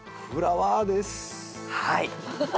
はい。